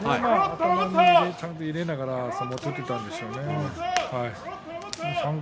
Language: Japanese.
頭を入れながら相撲を取っていたんでしょうね。